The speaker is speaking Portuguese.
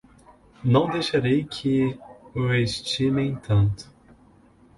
Não deixarei que o estimem tanto